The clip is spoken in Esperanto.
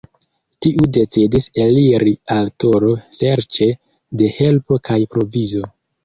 Tiu decidis eliri al Toro serĉe de helpo kaj provizo.